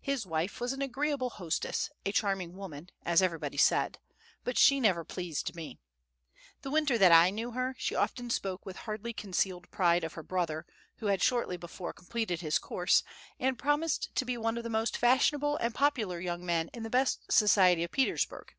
His wife was an agreeable hostess, a charming woman, as everybody said; but she never pleased me. ... The winter that I knew her, she often spoke with hardly concealed pride of her brother, who had shortly before completed his course, and promised to be one of the most fashionable and popular young men in the best society of Petersburg.